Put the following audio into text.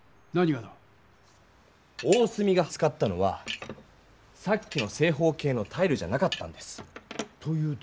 大角が使ったのはさっきの正方形のタイルじゃなかったんです！というと？